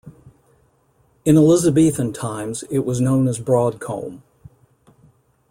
In Elizabethan times, it was known as Broad Coombe.